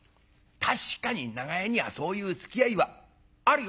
確かに長屋にはそういうつきあいはあるよ。